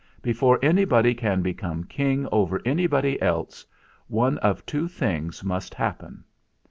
Before anybody can become king over anybody else, one of two things must hap pen.